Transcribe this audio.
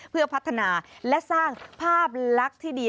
เพื่อพัฒนาและสร้างภาพลักษณ์ที่ดี